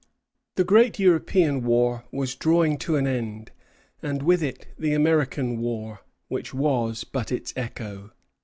The great European war was drawing to an end, and with it the American war, which was but its echo.